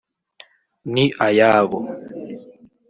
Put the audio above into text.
ni ayabo